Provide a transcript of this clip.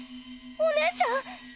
お姉ちゃん！？